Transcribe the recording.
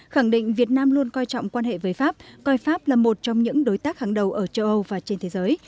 khẳng định việt nam luôn coi trọng quan hệ với pháp coi pháp là một trong những đối tác hàng đầu ở châu âu và trên thế giới